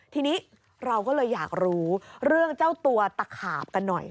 ทีนี้เราก็เลยอยากรู้เรื่องเจ้าตัวตะขาบกันหน่อย